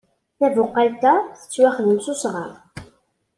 Tabuqalt-a tettwaxdem s usɣar.